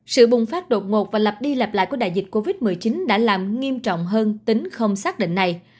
sự bùng phát đột ngột và lặp đi lặp lại của đại dịch covid một mươi chín đã làm nghiêm trọng hơn tính không xác định này